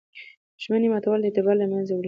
ژمنې ماتول اعتبار له منځه وړي.